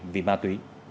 vì ma túy